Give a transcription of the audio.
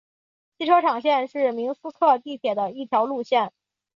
汽车厂线是明斯克地铁的一条路线。